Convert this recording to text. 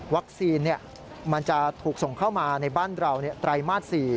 มันจะถูกส่งเข้ามาในบ้านเราไตรมาส๔